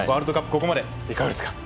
ここまでいかがですか？